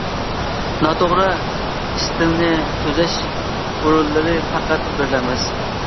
ناتوغرا ئىستىلنى تۈزەش ئورۇنلىرى پەقەت بىرلا ئەمەس.